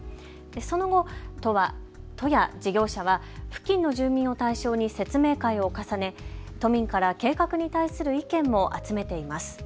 その後、都や事業者は付近の住民を対象に説明会を重ね都民から計画に対する意見も集めています。